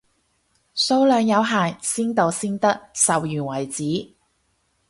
數量有限，先到先得，售完為止，